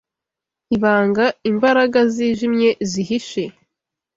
ibanga, imbaraga zijimye zihishe